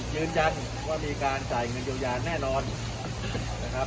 ยืนยันว่ามีการจ่ายเงินเยียวยาแน่นอนนะครับ